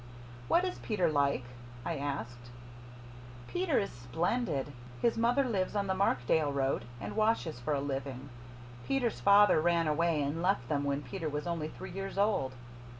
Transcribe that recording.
"What is Peter like?" I asked. "Peter is splendid. His mother lives on the Markdale road and washes for a living. Peter's father ran away and left them when Peter was only three years old.